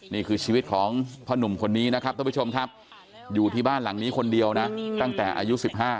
นี่คือชีวิตของพ่อนุ่มคนนี้นะครับท่านผู้ชมครับอยู่ที่บ้านหลังนี้คนเดียวนะตั้งแต่อายุ๑๕